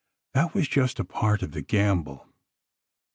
That was just a part of the gamble.